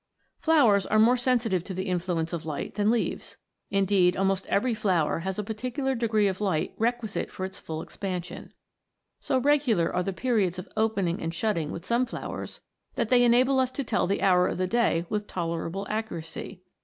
Flowers are more sensitive to the influence of light than leaves ; indeed almost every flower has a particular degree of light requisite for its full ex pansion. So regular are the periods of opening and shutting with some flowers, that they enable us to tell the hour of the day with tolerable accuracy.